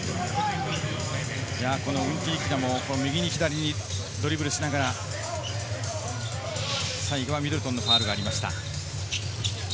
ウンティリキナも右に左にドリブルしながら、最後はミドルトンのファウルがありました。